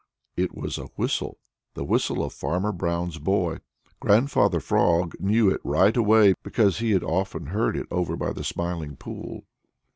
It was a whistle, the whistle of Farmer Brown's boy! Grandfather Frog knew it right away, because he often had heard it over by the Smiling Pool.